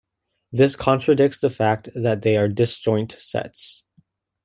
This contradicts the fact that they are disjoint sets.